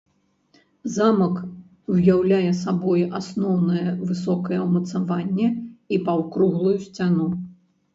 Замак уяўляе сабой асноўнае высокае ўмацаванне, і паўкруглую сцяну.